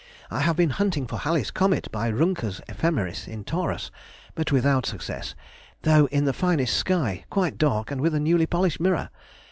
I have been hunting for Halley's comet by Rümker's Ephemeris in Taurus, but without success, though in the finest sky, quite dark, and with a newly polished mirror.